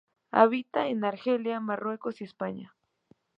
Habita en Argelia, Marruecos y España.